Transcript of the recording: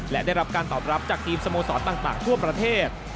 และได้รับการตอบรับจากทีมสโมสรต่างทั่วประเทศ